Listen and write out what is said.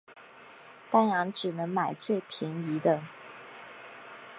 当然只能买最便宜的